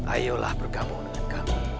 ayolah bergabung dengan kami